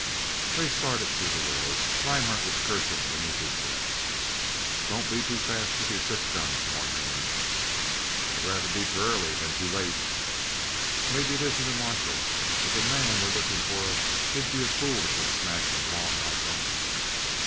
They started through the willows. Rhinehart was cursing beneath his breath. "Don't be too fast with your six gun," warned Haines. "I'd rather be too early than too late." "Maybe it isn't a marshal. If a man were looking for us he'd be a fool to come smashing along like that."